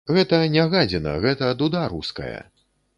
Гэта не гадзіна, гэта дуда руская.